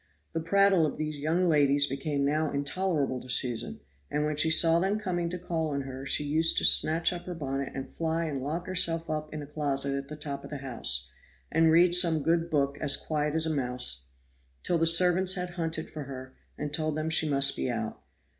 The prattle of these young ladies became now intolerable to Susan, and when she saw them coming to call on her she used to snatch up her bonnet and fly and lock herself up in a closet at the top of the house, and read some good book as quiet as a mouse, till the servants had hunted for her and told them she must be out.